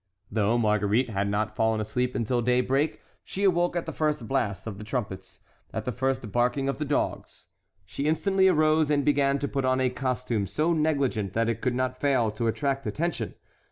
Though Marguerite had not fallen asleep till daybreak she awoke at the first blast of the trumpets, at the first barking of the dogs. She instantly arose and began to put on a costume so negligent that it could not fail to attract attention.